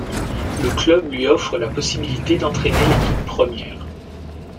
Le club lui offre la possibilité d'entraîner l'équipe première.